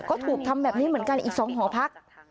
ก็ถูกทำแบบนี้เหมือนกันอีก๒หอพัก